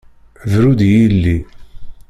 Bru-d i yilli!